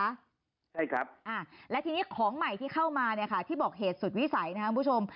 ใช่ครับและทีนี้ของใหม่ที่เข้ามาเนี่ยค่ะที่บอกเหตุสุดวิสัยนะครับคุณผู้ชม